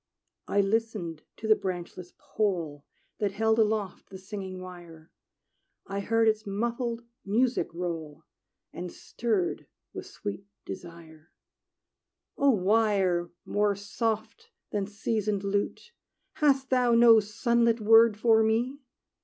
I listened to the branchless pole That held aloft the singing wire; I heard its muffled music roll, And stirred with sweet desire: "O wire more soft than seasoned lute, Hast thou no sunlit word for me?